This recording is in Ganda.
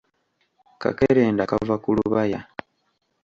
Kakerenda kava ku lubaya.